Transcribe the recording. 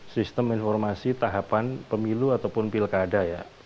sistem informasi tahapan pemilu ataupun pilkada ya